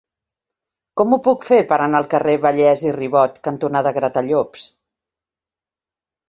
Com ho puc fer per anar al carrer Vallès i Ribot cantonada Gratallops?